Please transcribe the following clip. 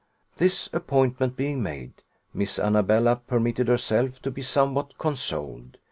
This appointment being made, Miss Annabella permitted herself to be somewhat consoled.